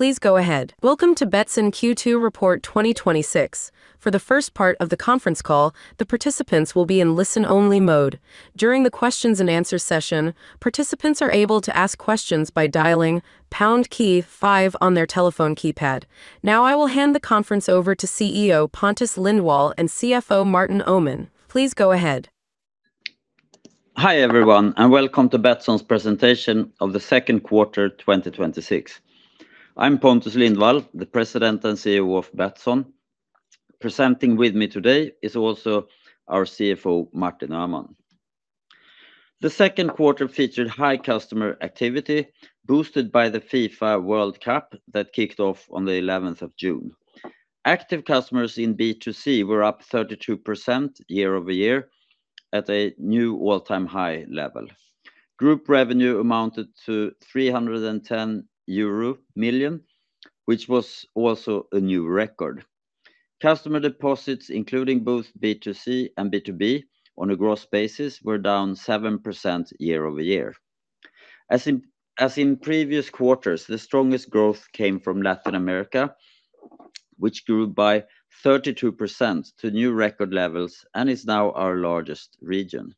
Welcome to Betsson Q2 Report 2026. For the first part of the conference call, the participants will be in listen-only mode. During the questions and answers session, participants are able to ask questions by dialing pound key five on their telephone keypad. Now I will hand the conference over to CEO Pontus Lindwall and CFO Martin Öhman. Please go ahead. Hi everyone, welcome to Betsson's presentation of the second quarter 2026. I'm Pontus Lindwall, the President and CEO of Betsson. Presenting with me today is also our CFO, Martin Öhman. The second quarter featured high customer activity boosted by the FIFA World Cup that kicked off on the 11th of June. Active customers in B2C were up 32% year-over-year at a new all-time high level. Group revenue amounted to 310 million euro, which was also a new record. Customer deposits, including both B2C and B2B on a gross basis, were down 7% year-over-year. As in previous quarters, the strongest growth came from Latin America, which grew by 32% to new record levels and is now our largest region.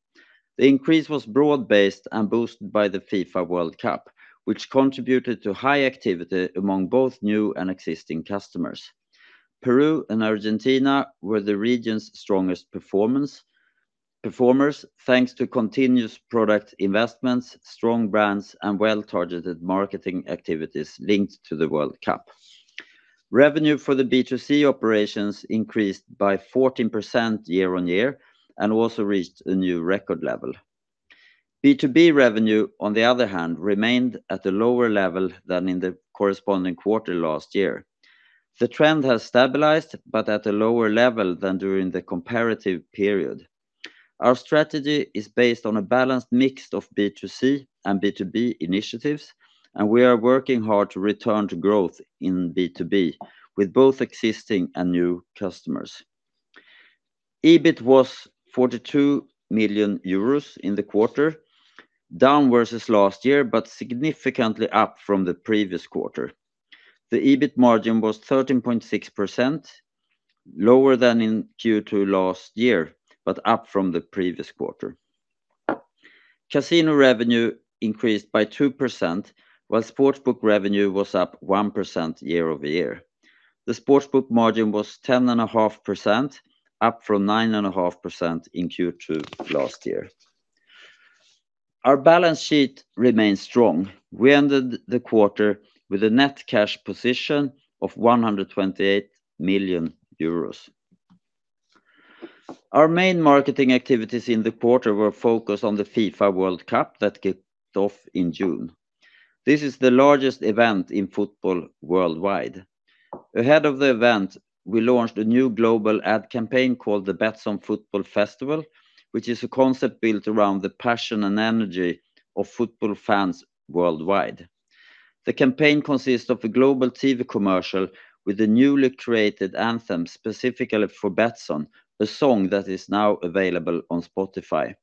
The increase was broad-based and boosted by the FIFA World Cup, which contributed to high activity among both new and existing customers. Peru and Argentina were the region's strongest performers, thanks to continuous product investments, strong brands, and well-targeted marketing activities linked to the World Cup. Revenue for the B2C operations increased by 14% year-on-year, also reached a new record level. B2B revenue, on the other hand, remained at a lower level than in the corresponding quarter last year. The trend has stabilized, but at a lower level than during the comparative period. Our strategy is based on a balanced mix of B2C and B2B initiatives, we are working hard to return to growth in B2B with both existing and new customers. EBIT was 42 million euros in the quarter, down versus last year, but significantly up from the previous quarter. The EBIT margin was 13.6%, lower than in Q2 last year, but up from the previous quarter. Casino revenue increased by 2%, while sportsbook revenue was up 1% year-over-year. The sportsbook margin was 10.5% up from 9.5% in Q2 last year. Our balance sheet remains strong. We ended the quarter with a net cash position of 128 million euros. Our main marketing activities in the quarter were focused on the FIFA World Cup that kicked off in June. This is the largest event in football worldwide. Ahead of the event, we launched a new global ad campaign called the Betsson Football Festival, which is a concept built around the passion and energy of football fans worldwide. The campaign consists of a global TV commercial with a newly created anthem, specifically for Betsson, a song that is now available on Spotify.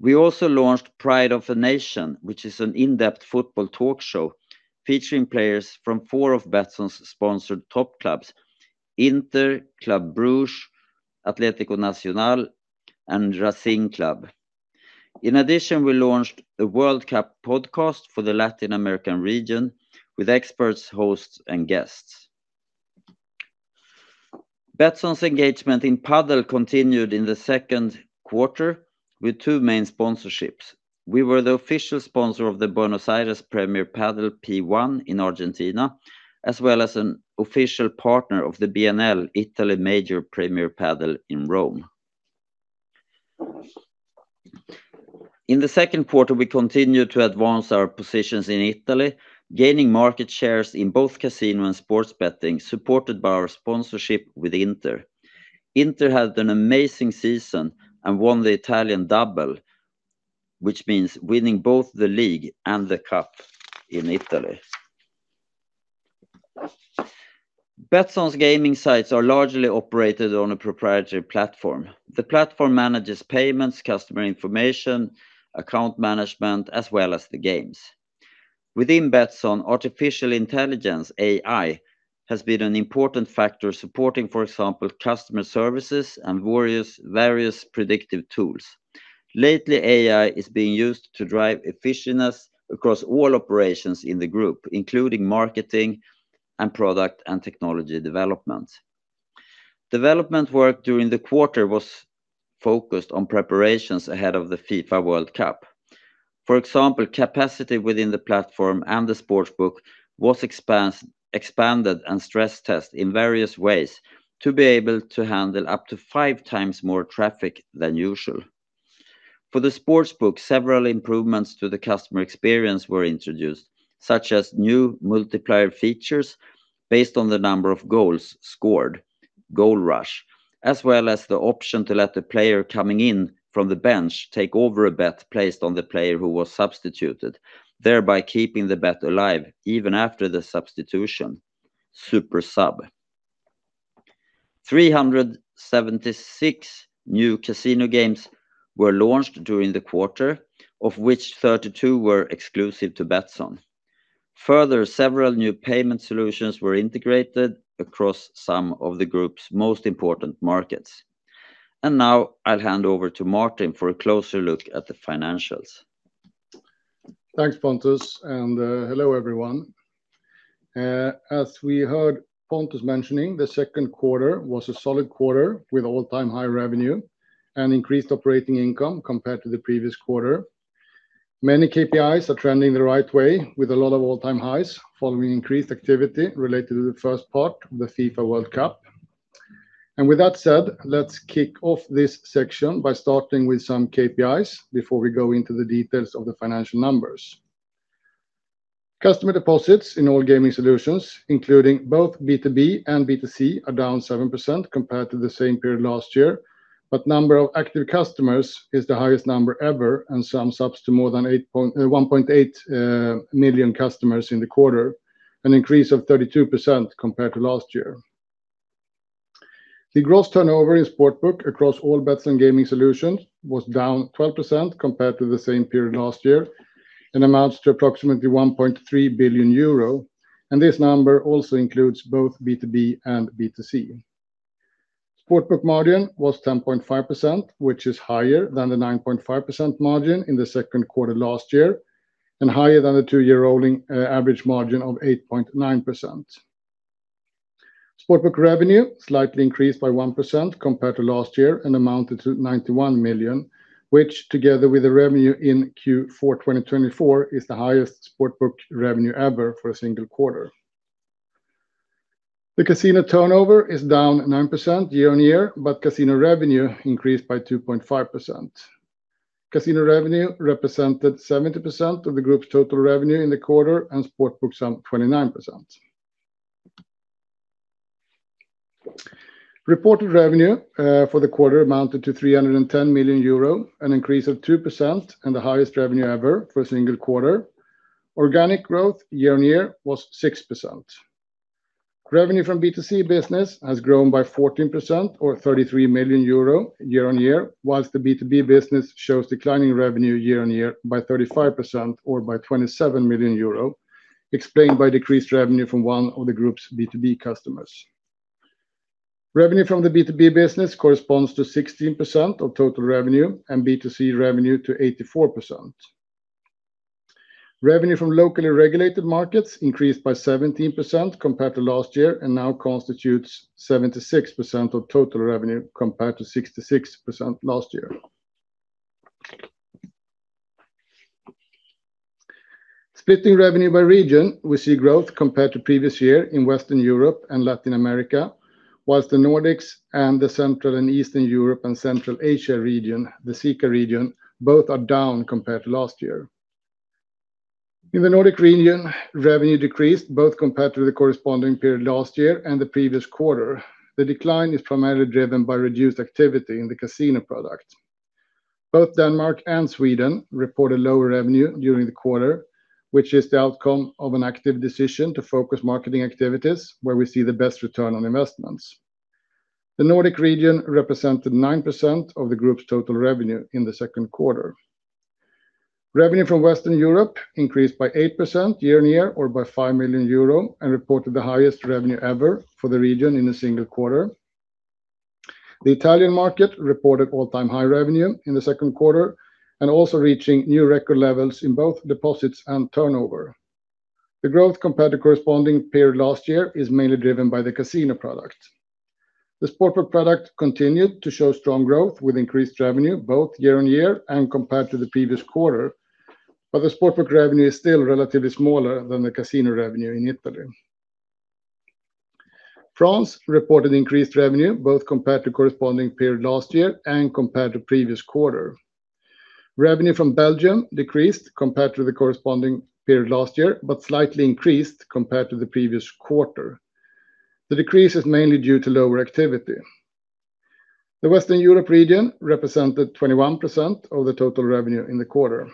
We also launched Pride of a Nation, which is an in-depth football talk show featuring players from four of Betsson's sponsored top clubs, Inter, Club Brugge, Atlético Nacional, and Racing Club. In addition, we launched a World Cup podcast for the Latin American region with experts, hosts, and guests. Betsson's engagement in Padel continued in the second quarter with two main sponsorships. We were the official sponsor of the Buenos Aires Premier Padel P1 in Argentina, as well as an official partner of the BNL Italy Major Premier Padel in Rome. In the second quarter, we continued to advance our positions in Italy, gaining market shares in both casino and sports betting, supported by our sponsorship with Inter. Inter had an amazing season and won the Italian Double, which means winning both the league and the cup in Italy. Betsson's gaming sites are largely operated on a proprietary platform. The platform manages payments, customer information, account management, as well as the games. Within Betsson, artificial intelligence, AI, has been an important factor supporting, for example, customer services and various predictive tools. Lately, AI is being used to drive efficiency across all operations in the group, including marketing and product and technology development. Development work during the quarter was focused on preparations ahead of the FIFA World Cup. For example, capacity within the platform and the sportsbook was expanded and stress-tested in various ways to be able to handle up to five times more traffic than usual. For the sportsbook, several improvements to the customer experience were introduced, such as new multiplier features based on the number of goals scored, Goal Rush, as well as the option to let the player coming in from the bench take over a bet placed on the player who was substituted, thereby keeping the bet alive even after the substitution, Super Sub. 376 new casino games were launched during the quarter, of which 32 were exclusive to Betsson. Several new payment solutions were integrated across some of the group's most important markets. Now I'll hand over to Martin for a closer look at the financials. Thanks, Pontus, and hello, everyone. As we heard Pontus mentioning, the second quarter was a solid quarter with all-time high revenue and increased operating income compared to the previous quarter. Many KPIs are trending the right way with a lot of all-time highs following increased activity related to the first part of the FIFA World Cup. With that said, let's kick off this section by starting with some KPIs before we go into the details of the financial numbers. Customer deposits in all gaming solutions, including both B2B and B2C, are down 7% compared to the same period last year. Number of active customers is the highest number ever and sums up to more than 1.8 million customers in the quarter, an increase of 32% compared to last year. The gross turnover in Sportsbook across all bets and gaming solutions was down 12% compared to the same period last year and amounts to approximately 1.3 billion euro. This number also includes both B2B and B2C. Sportsbook margin was 10.5%, which is higher than the 9.5% margin in the second quarter last year, and higher than the two-year rolling average margin of 8.9%. Sportsbook revenue slightly increased by 1% compared to last year and amounted to 91 million, which together with the revenue in Q4 2024, is the highest sportsbook revenue ever for a single quarter. The casino turnover is down 9% year on year, but casino revenue increased by 2.5%. Casino revenue represented 70% of the group's total revenue in the quarter, and sportsbook some 29%. Reported revenue for the quarter amounted to 310 million euro, an increase of 2% and the highest revenue ever for a single quarter. Organic growth year on year was 6%. Revenue from B2C business has grown by 14% or 33 million euro year on year, whilst the B2B business shows declining revenue year on year by 35%, or by 27 million euro, explained by decreased revenue from one of the group's B2B customers. Revenue from the B2B business corresponds to 16% of total revenue and B2C revenue to 84%. Revenue from locally regulated markets increased by 17% compared to last year and now constitutes 76% of total revenue, compared to 66% last year. Splitting revenue by region, we see growth compared to previous year in Western Europe and Latin America, whilst the Nordics and the Central and Eastern Europe and Central Asia region, the CEECA region, both are down compared to last year. In the Nordic region, revenue decreased both compared to the corresponding period last year and the previous quarter. The decline is primarily driven by reduced activity in the casino product. Both Denmark and Sweden reported lower revenue during the quarter, which is the outcome of an active decision to focus marketing activities where we see the best return on investments. The Nordic region represented 9% of the group's total revenue in the second quarter. Revenue from Western Europe increased by 8% year on year or by 5 million euro, and reported the highest revenue ever for the region in a single quarter. The Italian market reported all-time high revenue in the second quarter and also reaching new record levels in both deposits and turnover. The growth compared to corresponding period last year is mainly driven by the casino product. The sportsbook product continued to show strong growth with increased revenue both year on year and compared to the previous quarter. The sportsbook revenue is still relatively smaller than the casino revenue in Italy. France reported increased revenue both compared to corresponding period last year and compared to previous quarter. Revenue from Belgium decreased compared to the corresponding period last year, but slightly increased compared to the previous quarter. The decrease is mainly due to lower activity. The Western Europe region represented 21% of the total revenue in the quarter.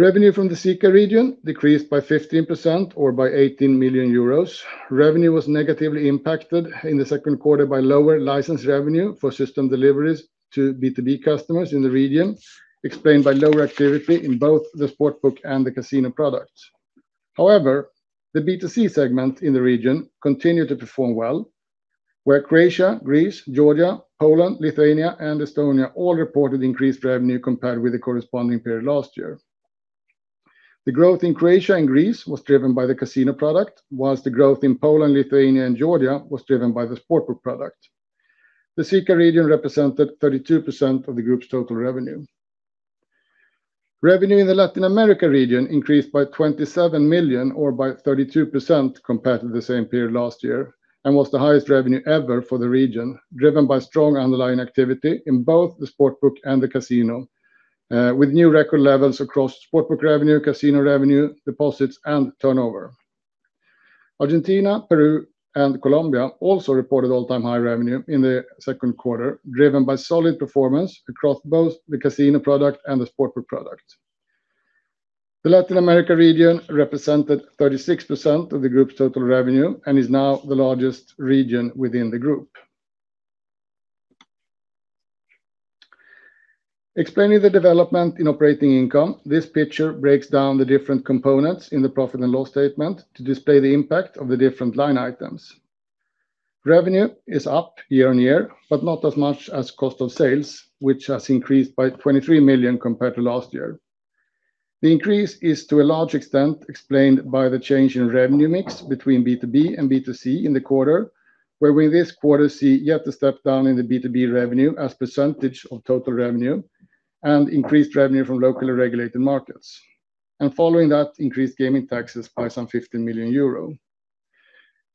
Revenue from the CEECA region decreased by 15%, or by 18 million euros. Revenue was negatively impacted in the second quarter by lower license revenue for system deliveries to B2B customers in the region, explained by lower activity in both the sportsbook and the casino products. The B2C segment in the region continued to perform well, where Croatia, Greece, Georgia, Poland, Lithuania, and Estonia all reported increased revenue compared with the corresponding period last year. The growth in Croatia and Greece was driven by the casino product, whilst the growth in Poland, Lithuania, and Georgia was driven by the sportsbook product. The CEECA region represented 32% of the group's total revenue. Revenue in the Latin America region increased by 27 million or by 32% compared to the same period last year, and was the highest revenue ever for the region, driven by strong underlying activity in both the sportsbook and the casino, with new record levels across sportsbook revenue, casino revenue, deposits, and turnover. Argentina, Peru, and Colombia also reported all-time high revenue in the second quarter, driven by solid performance across both the casino product and the sportsbook product. The Latin America region represented 36% of the group's total revenue and is now the largest region within the group. Explaining the development in operating income, this picture breaks down the different components in the profit and loss statement to display the impact of the different line items. Revenue is up year-on-year, but not as much as cost of sales, which has increased by 23 million compared to last year. The increase is, to a large extent, explained by the change in revenue mix between B2B and B2C in the quarter, where we this quarter see yet a step down in the B2B revenue as percentage of total revenue and increased revenue from locally regulated markets. Following that, increased gaming taxes by some 15 million euro.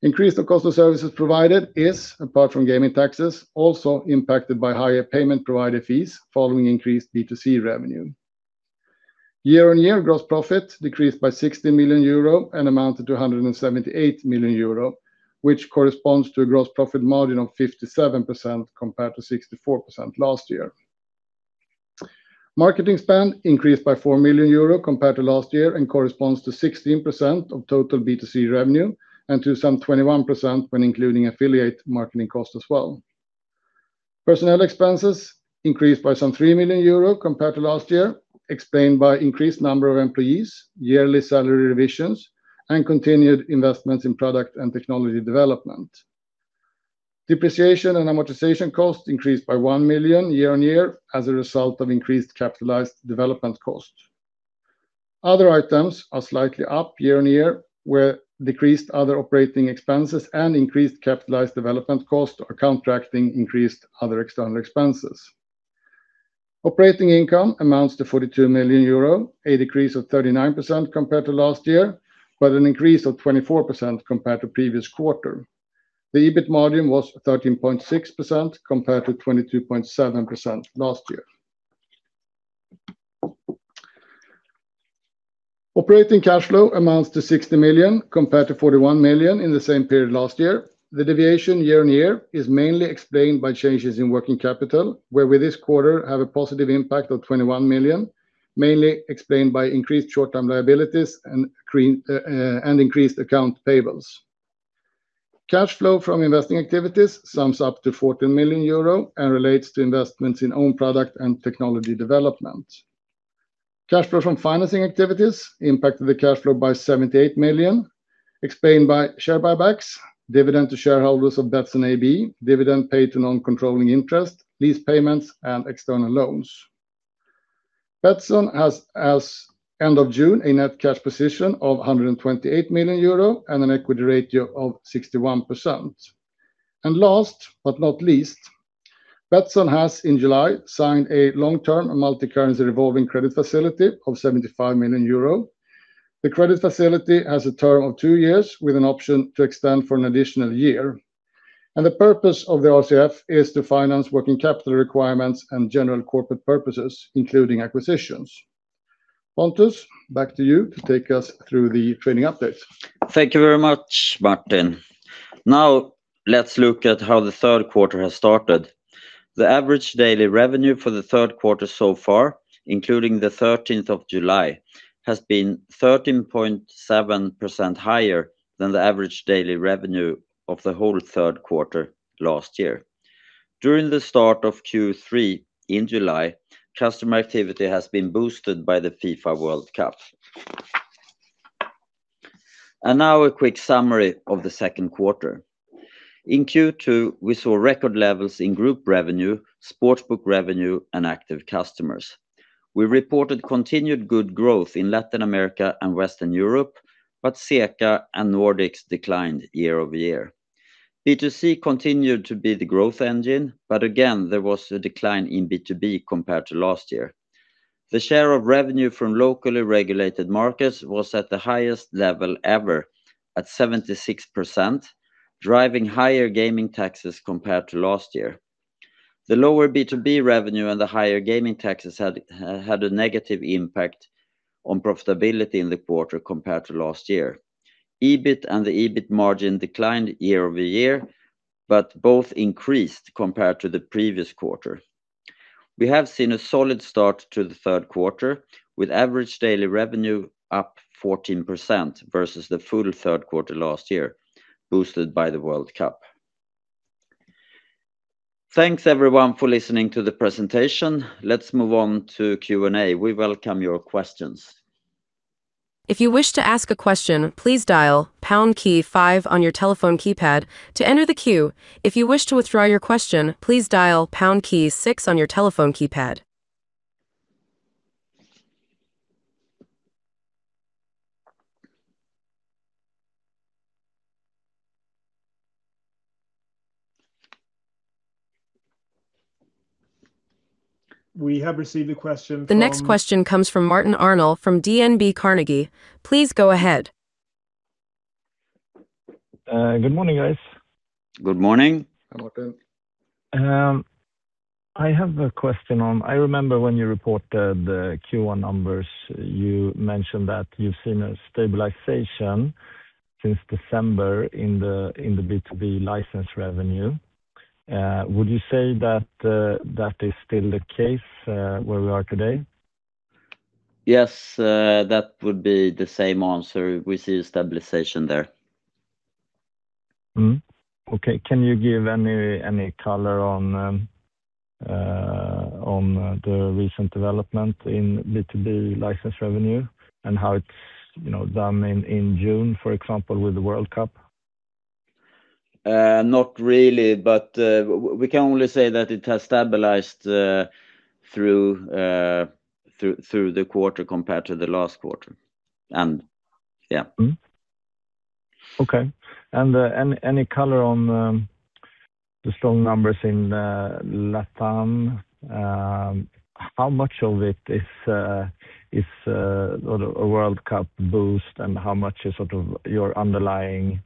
Increase of cost of services provided is, apart from gaming taxes, also impacted by higher payment provider fees following increased B2C revenue. Year-on-year gross profit decreased by 60 million euro and amounted to 178 million euro, which corresponds to a gross profit margin of 57% compared to 64% last year. Marketing spend increased by 4 million euro compared to last year and corresponds to 16% of total B2C revenue and to some 21% when including affiliate marketing cost as well. Personnel expenses increased by some 3 million euro compared to last year, explained by increased number of employees, yearly salary revisions, and continued investments in product and technology development. Depreciation and amortization cost increased by 1 million year-on-year as a result of increased capitalized development cost. Other items are slightly up year-on-year, where decreased other operating expenses and increased capitalized development cost are contracting increased other external expenses. Operating income amounts to 42 million euro, a decrease of 39% compared to last year, but an increase of 24% compared to previous quarter. The EBIT margin was 13.6% compared to 22.7% last year. Operating cash flow amounts to 60 million compared to 41 million in the same period last year. The deviation year-on-year is mainly explained by changes in working capital, where we this quarter have a positive impact of 21 million, mainly explained by increased short-term liabilities and increased account payables. Cash flow from investing activities sums up to 14 million euro and relates to investments in own product and technology development. Cash flow from financing activities impacted the cash flow by 78 million, explained by share buybacks, dividend to shareholders of Betsson AB, dividend paid to non-controlling interest, lease payments, and external loans. Betsson has, as end of June, a net cash position of 128 million euro and an equity ratio of 61%. Last but not least, Betsson has, in July, signed a long-term multi-currency revolving credit facility of 75 million euro. The credit facility has a term of two years with an option to extend for an additional year, and the purpose of the RCF is to finance working capital requirements and general corporate purposes, including acquisitions. Pontus, back to you to take us through the trading update. Thank you very much, Martin. Let's look at how the third quarter has started. The average daily revenue for the third quarter so far, including the 13th of July, has been 13.7% higher than the average daily revenue of the whole third quarter last year. During the start of Q3 in July, customer activity has been boosted by the FIFA World Cup. Now a quick summary of the second quarter. In Q2, we saw record levels in group revenue, sportsbook revenue, and active customers. We reported continued good growth in Latin America and Western Europe, but CEECA and Nordics declined year-over-year. B2C continued to be the growth engine, but again, there was a decline in B2B compared to last year. The share of revenue from locally regulated markets was at the highest level ever at 76%, driving higher gaming taxes compared to last year. The lower B2B revenue and the higher gaming taxes had a negative impact on profitability in the quarter compared to last year. EBIT and the EBIT margin declined year-over-year, but both increased compared to the previous quarter. We have seen a solid start to the third quarter with average daily revenue up 14% versus the full third quarter last year, boosted by the World Cup. Thanks everyone for listening to the presentation. Let's move on to Q&A. We welcome your questions. If you wish to ask a question, please dial pound key five on your telephone keypad to enter the queue. If you wish to withdraw your question, please dial pound key six on your telephone keypad. We have received a question from The next question comes from Martin Arnell from DNB Carnegie. Please go ahead. Good morning, guys. Good morning. Hi, Martin. I have a question. I remember when you reported the Q1 numbers, you mentioned that you've seen a stabilization since December in the B2B licensed revenue. Would you say that is still the case where we are today? Yes, that would be the same answer. We see a stabilization there. Okay. Can you give any color on the recent development in B2B licensed revenue and how it's done in June, for example, with the World Cup? Not really, but we can only say that it has stabilized through the quarter compared to the last quarter. Yeah. Okay. Any color on the strong numbers in LATAM? How much of it is a World Cup boost and how much is your underlying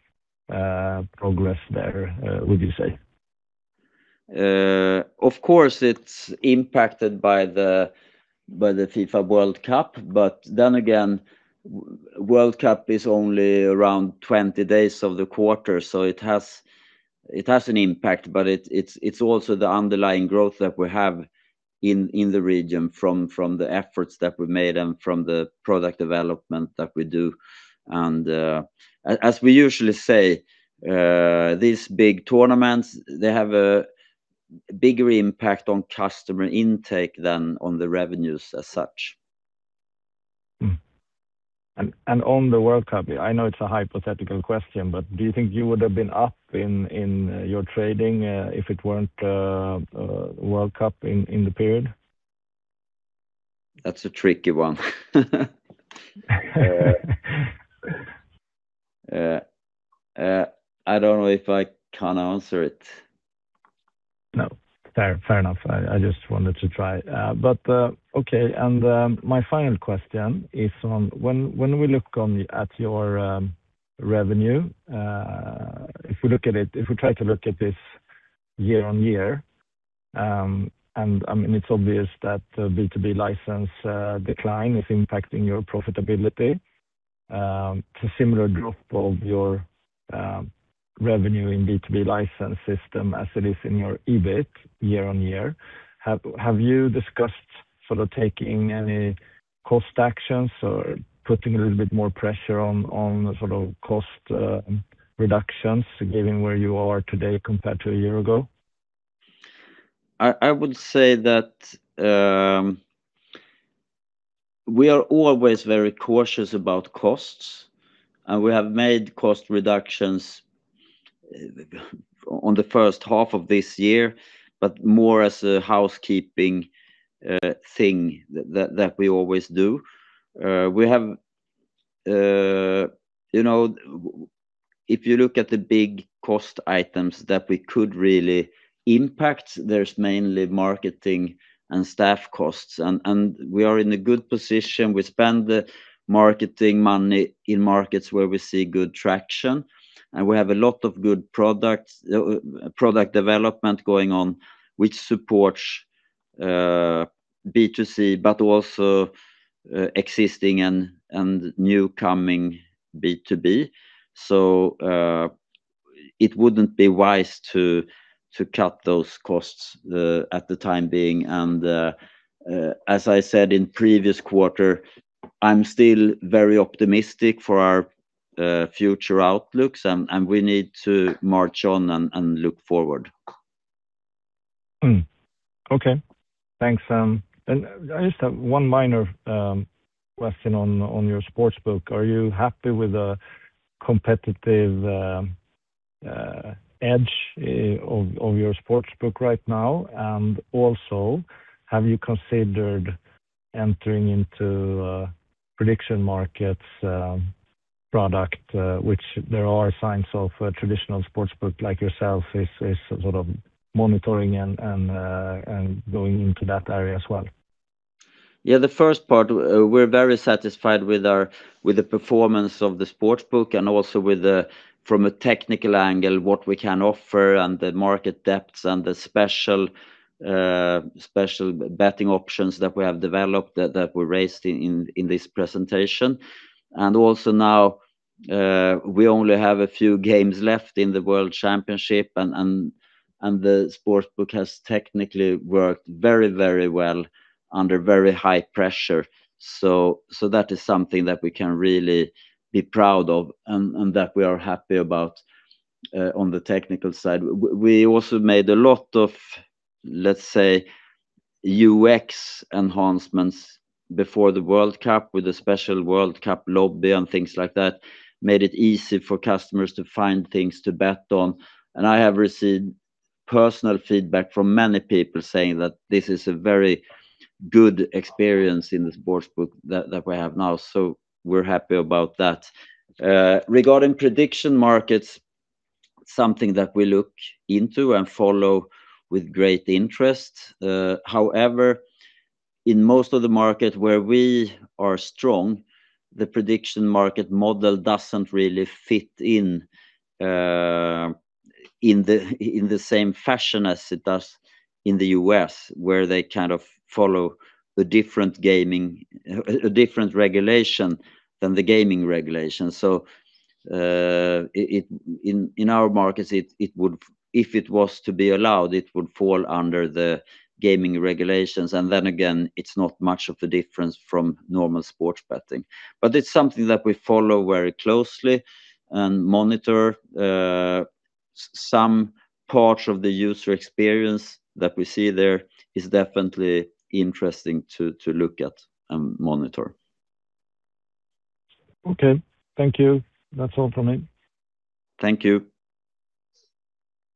progress there, would you say? Of course, it's impacted by the FIFA World Cup, again, World Cup is only around 20 days of the quarter. It has an impact, but it's also the underlying growth that we have in the region from the efforts that we've made and from the product development that we do. As we usually say, these big tournaments, they have a bigger impact on customer intake than on the revenues as such. On the World Cup, I know it's a hypothetical question, but do you think you would have been up in your trading, if it weren't World Cup in the period? That's a tricky one. I don't know if I can answer it. No. Fair enough. I just wanted to try. Okay. My final question is on, when we look at your revenue, if we try to look at this year-over-year, it's obvious that B2B license decline is impacting your profitability. It's a similar drop of your revenue in B2B license system as it is in your EBIT year-over-year. Have you discussed taking any cost actions or putting a little bit more pressure on cost reductions given where you are today compared to a year ago? I would say that we are always very cautious about costs. We have made cost reductions on the first half of this year, more as a housekeeping thing that we always do. If you look at the big cost items that we could really impact, there's mainly marketing and staff costs. We are in a good position. We spend the marketing money in markets where we see good traction. We have a lot of good product development going on, which supports B2C, but also existing and new coming B2B. It wouldn't be wise to cut those costs at the time being. As I said in previous quarter, I'm still very optimistic for our future outlooks. We need to march on and look forward. Okay. Thanks. I just have one minor question on your sportsbook. Are you happy with the competitive edge of your sportsbook right now? Also, have you considered entering into prediction markets product, which there are signs of traditional sportsbook like yourself is sort of monitoring and going into that area as well? Yeah, the first part, we're very satisfied with the performance of the sports book and also from a technical angle, what we can offer and the market depths and the special betting options that we have developed that we raised in this presentation. Now, we only have a few games left in the FIFA World Cup, the sports book has technically worked very well under very high pressure. That is something that we can really be proud of and that we are happy about on the technical side. We also made a lot of, let's say, UX enhancements before the FIFA World Cup with a special FIFA World Cup lobby and things like that, made it easy for customers to find things to bet on. I have received personal feedback from many people saying that this is a very good experience in the sports book that we have now. We're happy about that. Regarding prediction markets, something that we look into and follow with great interest. In most of the market where we are strong, the prediction market model doesn't really fit in the same fashion as it does in the U.S., where they follow a different regulation than the gaming regulation. In our markets, if it was to be allowed, it would fall under the gaming regulations. Again, it's not much of a difference from normal sports betting. It's something that we follow very closely and monitor. Some parts of the user experience that we see there is definitely interesting to look at and monitor. Okay. Thank you. That's all from me. Thank you.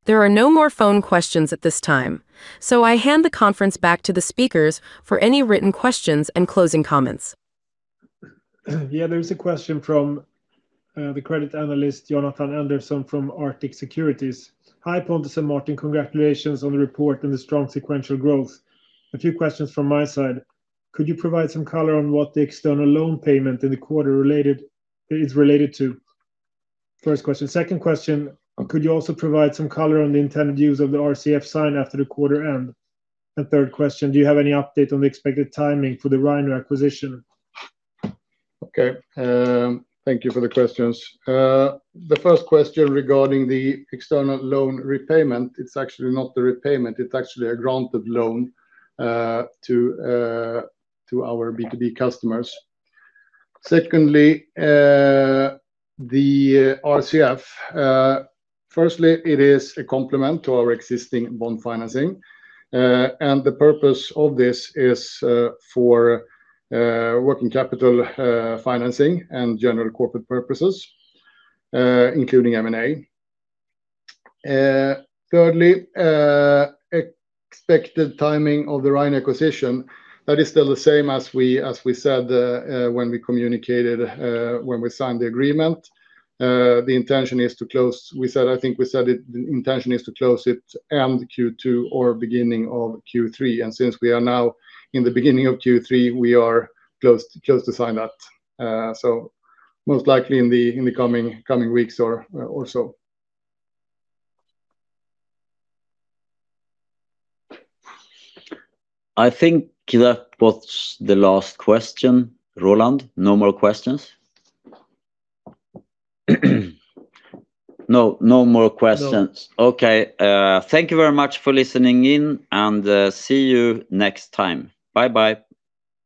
There are no more phone questions at this time. I hand the conference back to the speakers for any written questions and closing comments. There is a question from the credit analyst, Jonathan Andersson from Arctic Securities. Hi, Pontus and Martin. Congratulations on the report and the strong sequential growth. A few questions from my side. Could you provide some color on what the external loan payment in the quarter is related to? First question. Second question, Could you also provide some color on the intended use of the RCF sign after the quarter end? Third question, Do you have any update on the expected timing for the Rhino acquisition? Thank you for the questions. The first question regarding the external loan repayment, it's actually not the repayment, it's actually a granted loan to our B2B customers. Secondly, the RCF. Firstly, it is a complement to our existing bond financing. The purpose of this is for working capital financing and general corporate purposes, including M&A. Thirdly, expected timing of the Rhino acquisition. That is still the same as we said when we signed the agreement. I think we said it, the intention is to close it end Q2 or beginning of Q3. Since we are now in the beginning of Q3, we are close to sign that. Most likely in the coming weeks or so. I think that was the last question. Roland, no more questions? No more questions. No. Okay. Thank you very much for listening in and see you next time. Bye-bye.